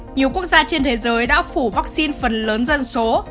nhiều quốc gia trên thế giới đã phủ vaccine phần lớn dân số